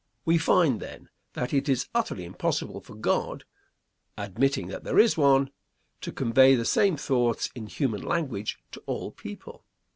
We find, then, that it is utterly impossible for God (admitting that there is one) to convey the same thoughts in human language to all people.